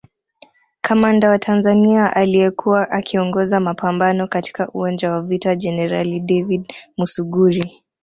Kamanda wa Tanzania aliyekuwa akiongoza mapambano katika uwanja wa vita Jenerali David Musuguri